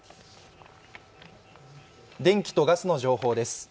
電気とガスの情報です。